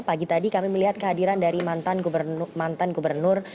pagi tadi kami melihat kehadiran dari mantan gubernur